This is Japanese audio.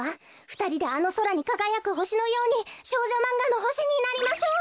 ふたりであのそらにかがやくほしのように少女マンガのほしになりましょう。